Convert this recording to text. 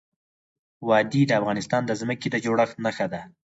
وادي د افغانستان د ځمکې د جوړښت نښه ده.